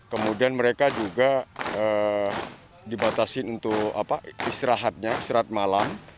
kemudian mereka juga dibatasin untuk istirahatnya istirahat malam